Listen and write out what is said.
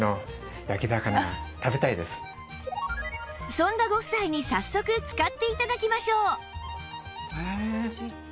そんなご夫妻に早速使って頂きましょう